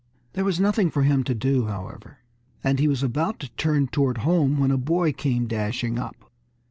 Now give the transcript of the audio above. There was nothing for him to do, however, and he was about to turn toward home when a boy came dashing up.